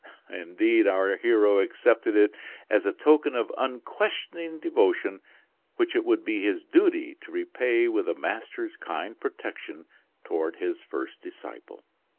Indeed, our hero accepted it as a token of unquestioning devotion which it would be his duty to repay with a master's kind protection toward his first disciple.